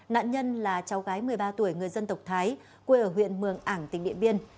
nạn nhân là cháu gái một mươi ba tuổi người dân tộc thái quê ở huyện mường ảng tỉnh điện biên